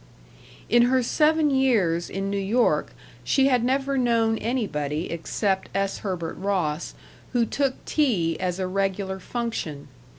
In her seven years in New York she had never known anybody except S. Herbert Ross who took tea as a regular function.